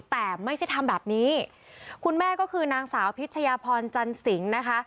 แต่ไม่ใช่ทำแบบนี้คุณแม่ก็คือนางสาวพิชยาพรจันสิงนะคะ